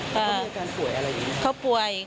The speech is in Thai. เขาก็มีอาการป่วยอะไรอยู่